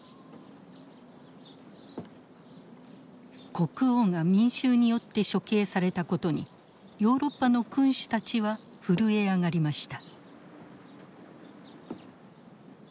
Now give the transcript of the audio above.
国王が民衆によって処刑されたことにヨーロッパの君主たちは震え上がりました。